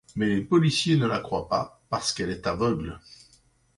Mais les policiers ne la croient pas parce qu'elle est aveugle.